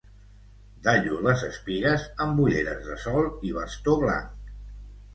Dallo les espigues amb ulleres de sol i bastó blanc.